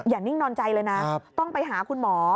นิ่งนอนใจเลยนะต้องไปหาคุณหมอ